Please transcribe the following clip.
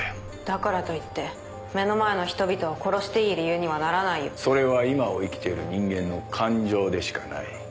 だからといって目の前の人々を殺していい理由にはならないよ。それは今を生きている人間の感情でしかない。